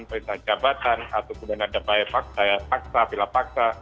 perintah jabatan atau paksa bila paksa